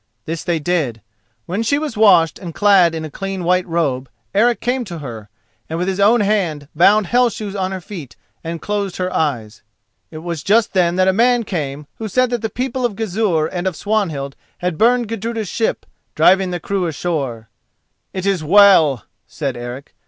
This they did. When she was washed and clad in a clean white robe, Eric came to her, and with his own hand bound the Hell shoes on her feet and closed her eyes. It was just then that a man came who said that the people of Gizur and of Swanhild had burned Gudruda's ship, driving the crew ashore. "It is well," said Eric.